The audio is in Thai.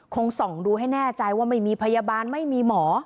ส่องดูให้แน่ใจว่าไม่มีพยาบาลไม่มีหมอ